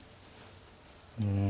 うん。